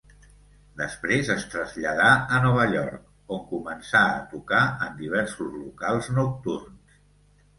Després es traslladà a Nova York, on començà a tocar en diversos locals nocturns.